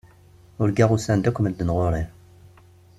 Urgaɣ usan-d akk medden ɣur-i.